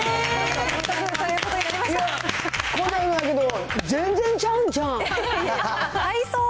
これはだけど、全然ちゃうんちゃう？